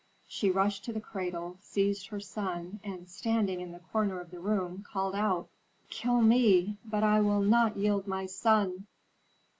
She rushed to the cradle, seized her son, and, standing in the corner of the room, called out, "Kill me; but I will not yield my son!"